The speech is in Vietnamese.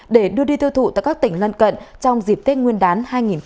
để đưa đi tiêu thụ tại các tỉnh lân cận trong dịp tết nguyên đán hai nghìn hai mươi